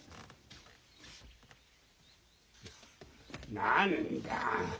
何だ。